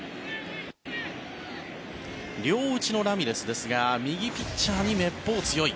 両打ちのラミレスですが右ピッチャーにめっぽう強い。